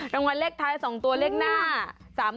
รางวัลเลขท้าย๒ตัวเลขหน้า๓๕